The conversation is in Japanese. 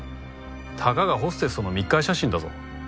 たかがホステスとの密会写真だぞ。